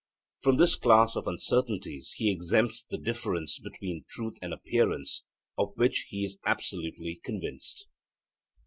From this class of uncertainties he exempts the difference between truth and appearance, of which he is absolutely convinced.